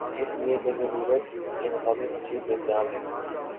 اس لئے کہ ضرورت کے مطابق ہرچیز دستیاب ہے۔